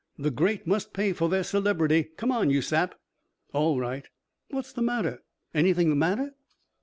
"The great must pay for their celebrity. Come on, you sap." "All right." "What's the matter? Anything the matter?"